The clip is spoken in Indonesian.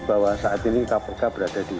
bahwa saat ini kpk berada di